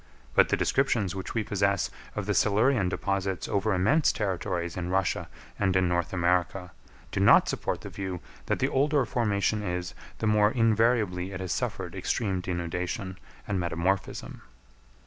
But the descriptions which we possess of the Silurian deposits over immense territories in Russia and in North America, do not support the view that the older a formation is the more invariably it has suffered extreme denudation and metamorphism.